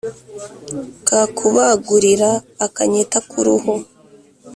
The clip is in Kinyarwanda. Kakubagurira-Akanyita k'uruhu.